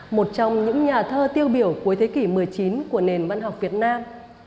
một trong những nhà thơ tiêu biểu cuối thế kỷ một mươi chín của nền văn học việt nam